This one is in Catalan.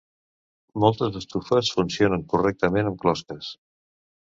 Moltes estufes funcionen correctament amb closques.